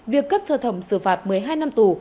việc cấp sơ thẩm xử phạt một mươi hai năm tù